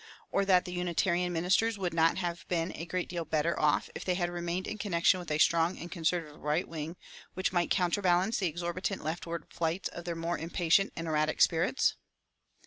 or that the Unitarian ministers would not have been a great deal better off if they had remained in connection with a strong and conservative right wing, which might counterbalance the exorbitant leftward flights of their more impatient and erratic spirits?